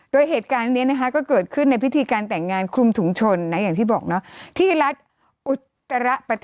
โดยเหตุการณ์นี้นะคะก็เกิดขึ้นในพิธีการแต่งงานคลุมถุงชนนะอย่างที่บอกเนาะ